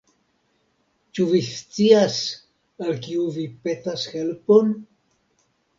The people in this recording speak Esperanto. Ĉu vi scias, al kiu vi petas helpon?